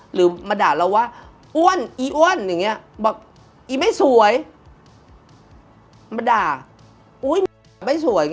หรือมาด่าเราว่าอ้วนอีอ้วนอย่างนี้บอกอีไม่สวยมาด่าอุ๊ยไม่สวย